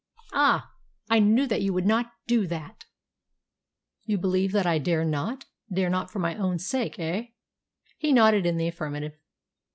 "Ah! I knew that you would not do that." "You believe that I dare not dare not for my own sake, eh?" He nodded in the affirmative.